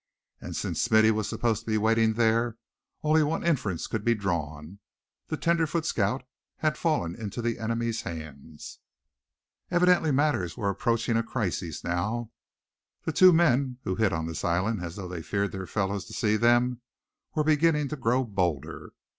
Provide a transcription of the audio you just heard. And since Smithy was supposed to be waiting there, only one inference could be drawn the tenderfoot scout had fallen into the enemy's hands! Evidently matters were approaching a crisis now. The two men who hid on this island as though they feared their fellows to see them, were beginning to grow bolder.